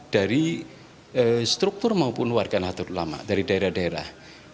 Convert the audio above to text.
dari struktur maupun warga nahdlatul ulama dari daerah daerah